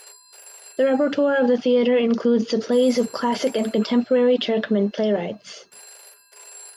The repertoire of the theater includes the plays of classic and contemporary Turkmen playwrights.